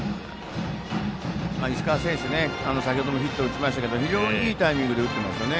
石川選手、先ほどもヒットを打ちましたけど非常にいいタイミングで打ってますよね。